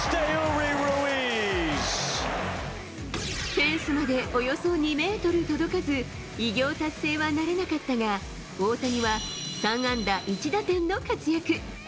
フェンスまでおよそ２メートル届かず、偉業達成はならなかったが、大谷は３安打１打点の活躍。